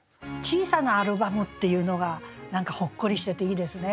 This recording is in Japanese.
「小さなアルバム」っていうのが何かほっこりしてていいですね。